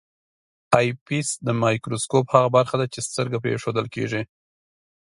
آی پیس د مایکروسکوپ هغه برخه ده چې سترګه پرې ایښودل کیږي.